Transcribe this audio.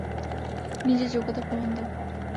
নিজের যোগ্যতার প্রমাণ দাও!